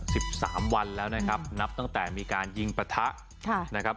สิบสามวันแล้วนะครับนับตั้งแต่มีการยิงปะทะค่ะนะครับ